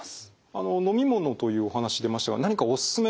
あの飲み物というお話出ましたが何かおすすめのものはありますか？